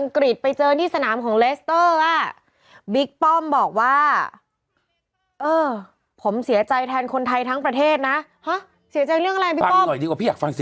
เขาต้องว่าไปตามตัวจริงได้